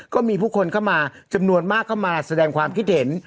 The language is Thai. ก็มีผู้คนเข้ามาจำนวนมากเข้ามาแสดงความคิดเห็น